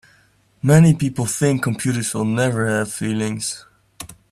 Many people think computers will never have feelings.